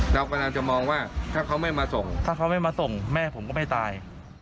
เรากำลังจะมองว่าถ้าเขาไม่มาส่งถ้าเขาไม่มาส่งแม่ผมก็ไม่ตาย